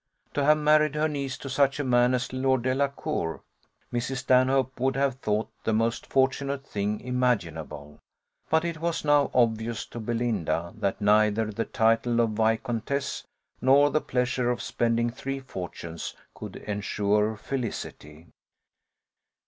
To have married her niece to such a man as Lord Delacour, Mrs. Stanhope would have thought the most fortunate thing imaginable; but it was now obvious to Belinda, that neither the title of viscountess, nor the pleasure of spending three fortunes, could ensure felicity.